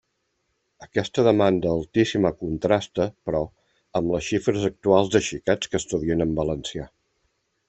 Aquesta demanda altíssima contrasta, però, amb les xifres actuals de xiquets que estudien en valencià.